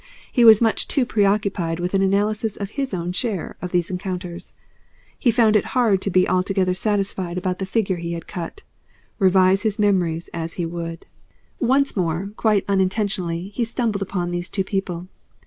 He was much too preoccupied with an analysis of his own share of these encounters. He found it hard to be altogether satisfied about the figure he had cut, revise his memories as he would. Once more quite unintentionally he stumbled upon these two people.